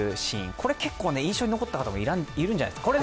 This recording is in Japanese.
これ、結構印象に残った方もいるんじゃないでしょうか。